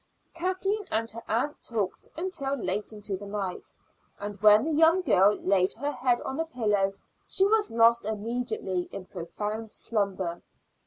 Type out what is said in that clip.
Kathleen and her aunt talked until late into the night, and when the young girl laid her head on her pillow she was lost immediately in profound slumber.